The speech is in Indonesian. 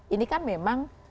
ini kan memang